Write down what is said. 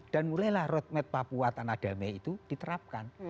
dan mulailah roadmap papua tanah dame itu diterapkan